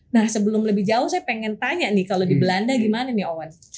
nah sebelum lebih jauh saya pengen tanya nih kalau di belanda gimana nih owen